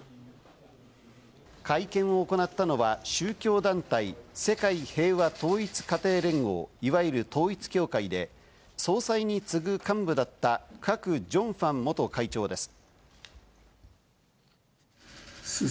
会見を行ったのは宗教団体・世界平和統一家庭連合、いわゆる統一教会で総裁に次ぐ幹部だったクァク・ジョンファン元会長です。